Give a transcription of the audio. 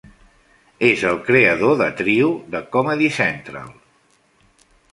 És el creador de "Trio", de Comedy Central.